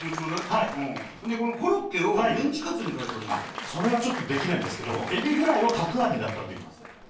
このコロッケをメンチカツに変えそれはちょっとできないんですけど、エビフライをたくあんにだったらできます。